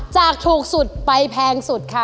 จากถูกสุดไปแพงสุดค่ะ